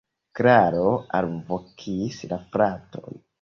Klaro alvokis la fraton.